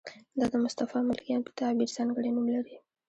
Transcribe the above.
دا د مصطفی ملکیان په تعبیر ځانګړی نوم لري.